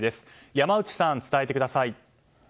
山内さん、伝えてください。